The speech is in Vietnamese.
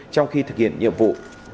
trong khi thực hiện nhiệm vụ